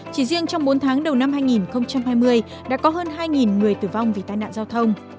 chỉ riêng trong bốn tháng đầu năm hai nghìn hai mươi đã có hơn hai người tử vong vì tai nạn giao thông